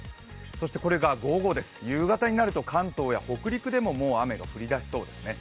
そしてこれが午後、夕方になると関東や北陸でももう雨が降り出しそうですね。